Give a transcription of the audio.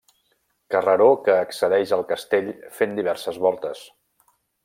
Carreró que accedeix al castell fent diverses voltes.